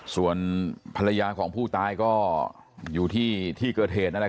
ส่วนภรรยาของผู้ตายก็อยู่ที่เกิดเหตุ